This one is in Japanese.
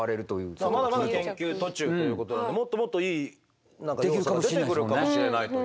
まだまだ研究途中ということなのでもっともっといい何か要素が出てくるかもしれないという。